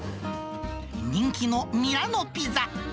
人気のミラノピザ。